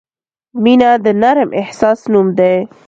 • مینه د نرم احساس نوم دی.